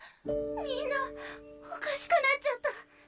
みんなおかしくなっちゃった。